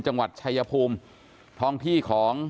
จังหวัดชายภูมิท้องที่ของ